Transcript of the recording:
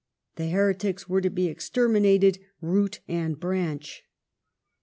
The heretics were to be exterminated, root and branch.